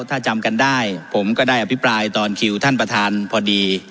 ถ้าจำกันได้ผมก็ได้อภิปรายตอนคิวท่านประธานพอดี